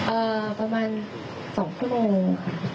เอ่อประมาณ๒ชั่วโมงค่ะ